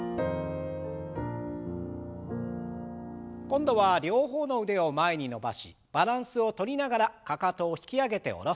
今度は両方の腕を前に伸ばしバランスをとりながらかかとを引き上げて下ろす運動。